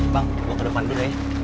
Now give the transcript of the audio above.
bang gue ke depan dulu ya